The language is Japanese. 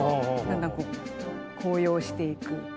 だんだんこう高揚していく。